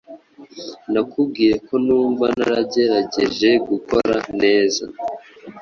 Nakubwiye ko numva naragerageje gukora neza.